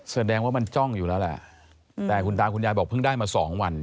แสดงว่ามันจ้องอยู่แล้วแหละแต่คุณตาคุณยายบอกเพิ่งได้มาสองวัน